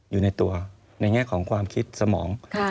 อยู่ในตัวในแง่ของความคิดสมอง